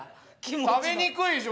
食べにくいでしょ